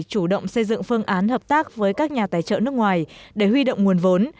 chủ động xây dựng phương án hợp tác với các nhà tài trợ nước ngoài để huy động nguồn vốn